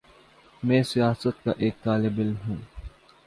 میں سیاست کا ایک طالب علم ہوں۔